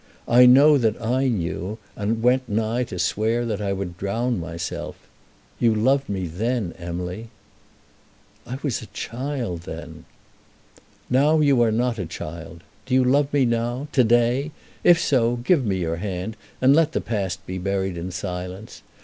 I know that I knew, and went nigh to swear that I would drown myself. You loved me then, Emily." "I was a child then." "Now you are not a child. Do you love me now, to day? If so, give me your hand, and let the past be buried in silence.